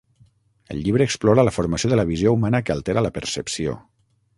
El llibre explora la formació de la visió humana que altera la percepció.